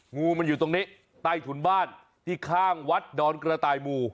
งูมันอยู่ตรงนี้ใต้ถุนบ้านที่ข้างวัดดอนกระต่ายหมู่